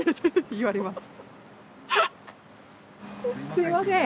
すいません。